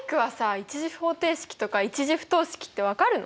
１次方程式とか１次不等式って分かるの？